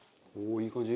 いい感じ。